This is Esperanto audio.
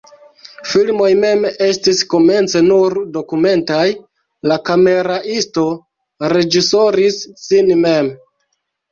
Filmoj mem estis komence nur dokumentaj, la kameraisto reĝisoris sin mem.